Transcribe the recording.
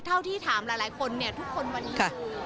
เท่าที่ถามหลายคนเนี่ยทุกคนวันนี้คือ